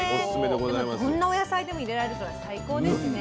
でもどんなお野菜でも入れられるから最高ですね。